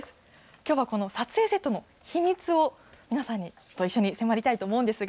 きょうはこの撮影セットの秘密を皆さんと一緒に迫りたいと思うんですが。